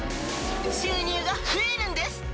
収入が増えるんです。